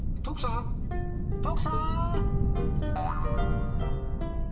徳さーん！